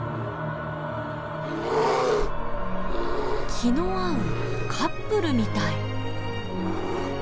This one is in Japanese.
気の合うカップルみたい。